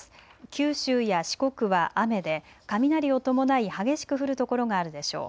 九州や四国は雨で雷を伴い激しく降る所があるでしょう。